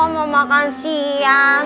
mau makan siang